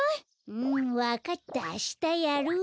うんわかったあしたやる。